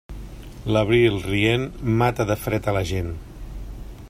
L'abril, rient, mata de fred a la gent.